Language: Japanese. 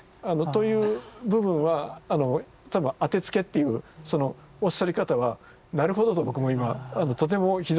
という部分は多分当てつけっていうそのおっしゃり方はなるほどと僕も今とても膝を打つ感じです。